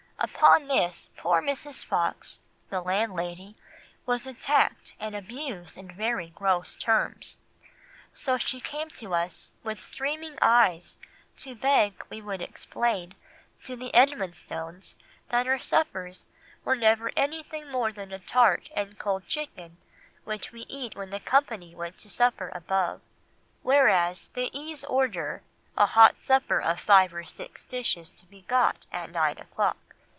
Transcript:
Upon this poor Mrs. Fox [the landlady] was attacked and abused in very gross terms. So she came to us with streaming eyes to beg we would explain to the Edmonstones that our suppers were never anything more than a tart and cold chicken which we eat when the company went to supper above, whereas the E.'s order a hot supper of five or six dishes to be got at nine o'clock."